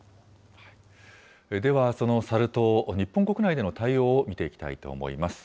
では、そのサル痘、日本国内での対応を見ていきたいと思います。